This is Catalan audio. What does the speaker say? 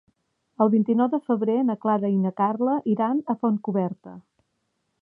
El vint-i-nou de febrer na Clara i na Carla iran a Fontcoberta.